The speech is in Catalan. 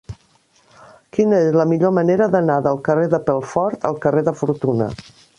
Quina és la millor manera d'anar del carrer de Pelfort al carrer de Fortuna?